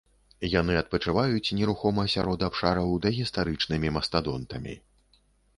Яны адпачываюць нерухома сярод абшараў дагістарычнымі мастадонтамі.